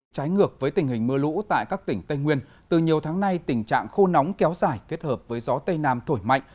trái ngược với tình hình mưa lũ tại các tỉnh tây nguyên từ nhiều tháng nay tình trạng khô nóng kéo dài kết hợp với gió tây nam thổi mạnh